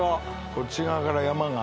こっち側から山が。